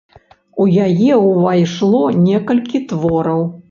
У яе ўвайшло некалькі твораў.